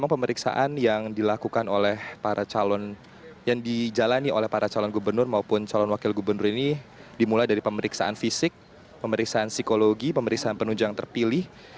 pemeriksaan yang dilakukan oleh para calon yang dijalani oleh para calon gubernur maupun calon wakil gubernur ini dimulai dari pemeriksaan fisik pemeriksaan psikologi pemeriksaan penunjang terpilih